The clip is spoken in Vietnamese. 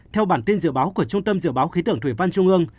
theo bản tin dự báo của trung tâm dự báo khí tượng thủy văn trung ương